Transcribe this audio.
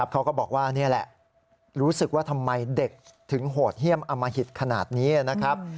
เขาก็บอกว่านี่แหละรู้สึกว่าทำไมเด็กถึงโหดเยี่ยมอมหิตขนาดนี้นะครับ